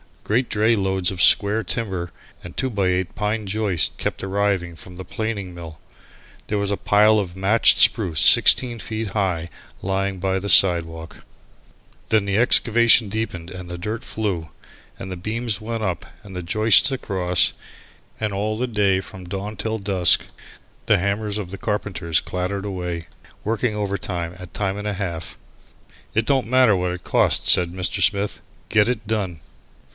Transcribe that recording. Great dray loads of square timber, and two by eight pine joists kept arriving from the planing mill. There was a pile of matched spruce sixteen feet high lying by the sidewalk. Then the excavation deepened and the dirt flew, and the beams went up and the joists across, and all the day from dawn till dusk the hammers of the carpenters clattered away, working overtime at time and a half. "It don't matter what it costs," said Mr. Smith; "get it done."